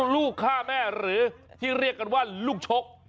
ลูกฆ่าแม่หรือที่เรียกกันว่าลูกชก